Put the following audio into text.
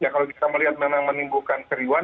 kalau kita melihat menimbulkan keriuan